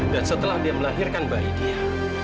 dan setelah dia melahirkan bayi dia